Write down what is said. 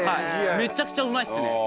めっちゃくちゃうまいっすね。